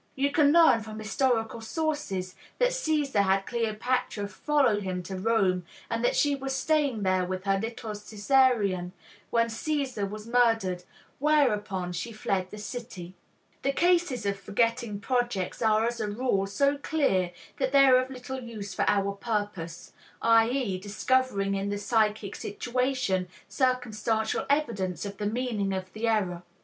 You can learn from historical sources that Caesar had Cleopatra follow him to Rome, and that she was staying there with her little Caesarion when Caesar was murdered, whereupon she fled the city. The cases of forgetting projects are as a rule so clear that they are of little use for our purpose, i.e., discovering in the psychic situation circumstantial evidence of the meaning of the error.